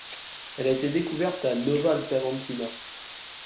Elle a été découverte à Nova Xavantina.